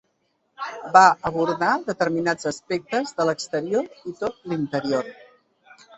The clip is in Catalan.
Va abordar determinats aspectes de l’exterior i tot l’interior.